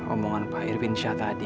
omongan pak irfin syah tadi